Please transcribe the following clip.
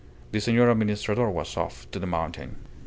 The Senor Administrador was off to the mountain.